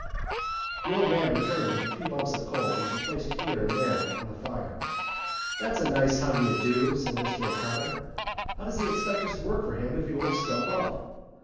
The old man returned with a few lumps of coal which he placed here and there on the fire. "That's a nice how do you do," said Mr O'Connor. "How does he expect us to work for him if he won't stump up?"